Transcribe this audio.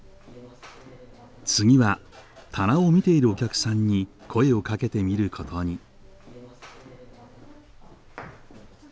次は棚を見ているお客さんに声をかけてみることに。